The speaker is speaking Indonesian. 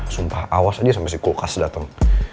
sumpah awas aja sampe si kulkas dateng